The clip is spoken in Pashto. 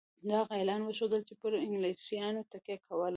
د هغه اعلان وښودله چې پر انګلیسیانو تکیه کوله.